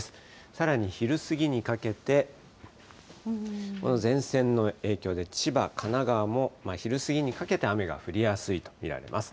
さらに、昼過ぎにかけて、この前線の影響で千葉、神奈川も昼過ぎにかけて雨が降りやすいと見られます。